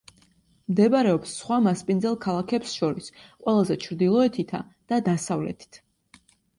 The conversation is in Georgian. მდებარეობს სხვა მასპინძელ ქალაქებს შორის ყველაზე ჩრდილოეთითა და დასავლეთით.